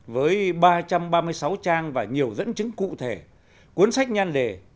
với ba trăm ba mươi sáu trang và nhiều dẫn chứng cụ thể cuốn sách nhan đề